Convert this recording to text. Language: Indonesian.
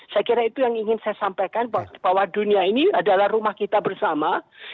saya kira itu yang ingin saya sampaikan bahwa dunia ini adalah rumah kita bersama